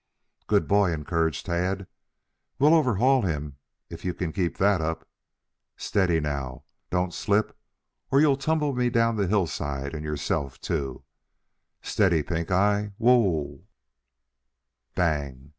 "Good boy," encouraged Tad. "We'll overhaul him if you can keep that up. Steady now. Don't slip or you'll tumble me down the hill and yourself, too. Steady, Pink eye. W h o e e!" "Bang!"